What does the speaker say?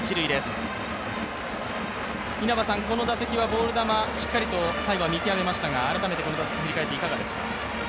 この打席はボール球、最後は見極めましたが改めて、この打席を振り返っていかがですか？